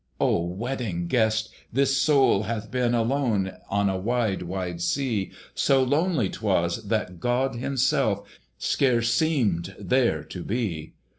O Wedding Guest! this soul hath been Alone on a wide wide sea: So lonely 'twas, that God himself Scarce seemed there to be.